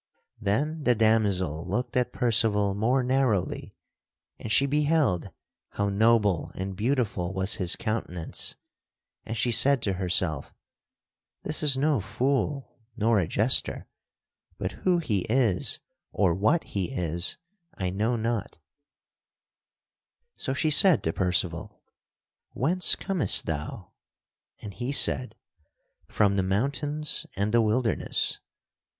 Then the damosel looked at Percival more narrowly and she beheld how noble and beautiful was his countenance and she said to herself: "This is no fool nor a jester, but who he is or what he is I know not." [Sidenote: Percival breaks bread in the golden pavilion] So she said to Percival, "Whence comest thou?" and he said, "From the mountains and the wilderness."